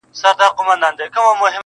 که انارگل وي او که وي د بادام گل گلونه_